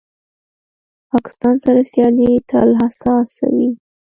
پاکستان سره سیالي تل حساسه وي.